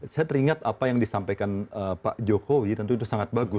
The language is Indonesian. saya teringat apa yang disampaikan pak jokowi tentu itu sangat bagus